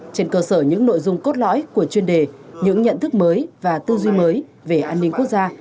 trên cơ sở những nội dung cốt lõi của chuyên đề những nhận thức mới và tư duy mới về an ninh quốc gia